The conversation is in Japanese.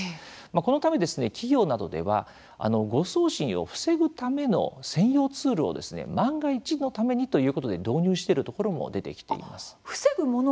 このため企業などでは誤送信を防ぐための専用ツールを万が一のためにということで導入しているところも出てきています。